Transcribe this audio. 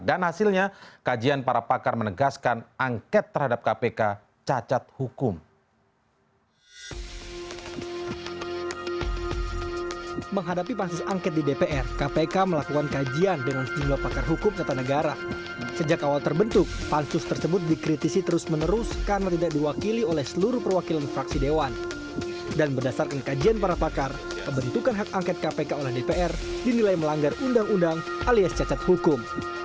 dan hasilnya kajian para pakar menegaskan angket terhadap kpk cacat hukum